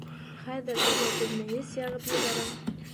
- Хәҙер дөрләтеп мейес яғып ебәрәм.